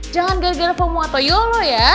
jangan gara gara fomo atau yolo ya